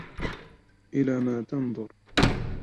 ألا إن الظباء لفي غرور